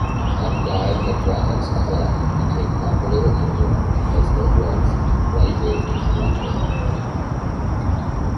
Undyed madras cloth became popular in Europe because it was lightweight and breathable.